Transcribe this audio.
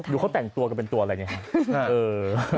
ดูเขาแต่งตัวกันเป็นตัวอะไรเนี่ย